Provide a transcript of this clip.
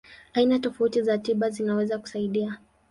Aina tofauti za tiba zinaweza kusaidia.